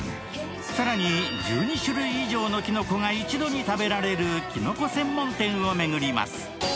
更に、１２種類以上のきのこが一度に食べられるきのこ専門店を巡ります。